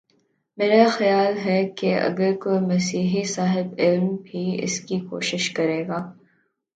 میرا خیال ہے کہ اگر کوئی مسیحی صاحب علم بھی اس کی کوشش کرے گا۔